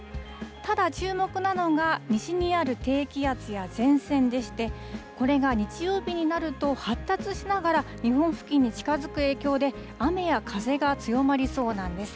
ただ注目なのが西にある低気圧や前線でして、これが日曜日になると、発達しながら日本付近に近づく影響で雨や風が強まりそうなんです。